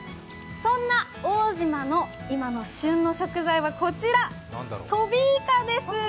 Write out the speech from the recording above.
そんな奥武島の今の旬の食材はトビイカです。